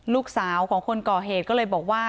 ลูกสาวของคนก่อเหตุก็เลยบอกว่า